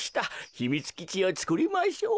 ひみつきちをつくりましょう。